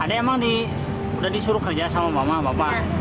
adik memang sudah disuruh kerja sama mama dan bapak